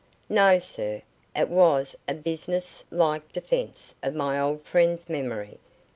"No, sir; it was a business like defence of my old friend's memory.